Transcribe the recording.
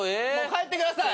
帰ってください。